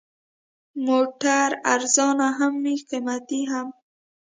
موټر ارزانه هم وي، قیمتي هم.